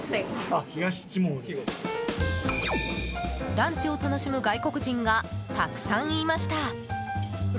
ランチを楽しむ外国人がたくさんいました。